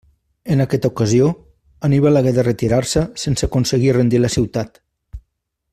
En aquesta ocasió, Anníbal hagué de retirar-se sense aconseguir rendir la ciutat.